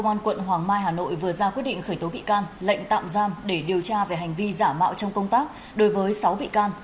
cơ quan cảnh sát điều tra công an quận hoàng mai hà nội vừa ra quyết định khởi tố bị can lệnh tạm giam để điều tra về hành vi giả mạo trong công tác đối với sáu bị can